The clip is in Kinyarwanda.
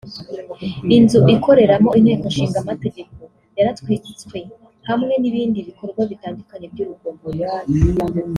inzu ikoreramo Inteko Ishinga Amategeko yaratwitswe hamwe n’ibindi bikorwa bitandukanye by’urugomo